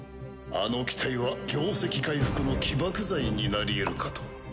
あの機体は業績回復の起爆剤になりえるかと。